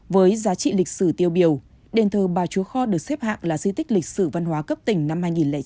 với giá trị lịch sử tiêu biểu đền thờ bà chúa kho được xếp hạng là di tích lịch sử văn hóa cấp tỉnh năm hai nghìn chín